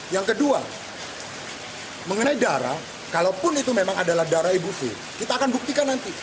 yang kedua mengenai darah kalaupun itu memang adalah darah ibu fi kita akan buktikan nanti